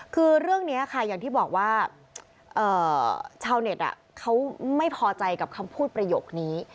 คือเรื่องนี้ค่ะอย่างที่บอกว่าชาวเน็ตเขาไม่พอใจกับคำพูดประโยคนี้